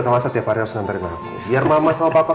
tau gak setiap hari harus nganterin aku biar mama sama papa